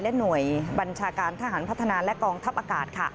หน่วยบัญชาการทหารพัฒนาและกองทัพอากาศ